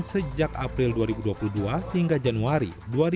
sejak april dua ribu dua puluh dua hingga januari dua ribu dua puluh